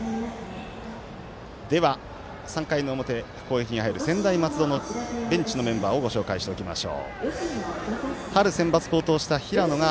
では、３回の表の攻撃に入る専大松戸のベンチのメンバーをご紹介します。